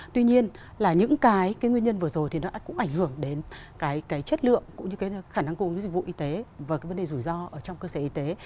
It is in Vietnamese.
tuy nhiên là những cái nguyên nhân vừa rồi thì nó cũng ảnh hưởng đến cái chất lượng cũng như cái khả năng cung với dịch vụ y tế và cái vấn đề rủi ro ở trong cơ sở y tế